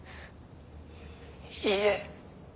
「いいえ」